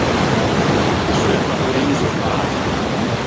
O seu fattoriso fäso.